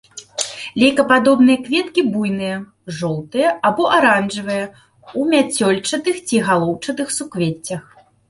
Лейкападобныя кветкі буйныя, жоўтыя або аранжавыя ў мяцёлчатых ці галоўчатых суквеццях.